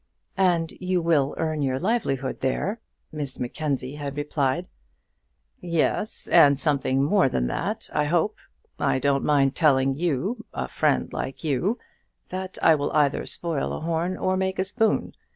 "And you will earn your livelihood there," Miss Mackenzie had replied. "Yes; and something more than that I hope. I don't mind telling you, a friend like you, that I will either spoil a horn or make a spoon.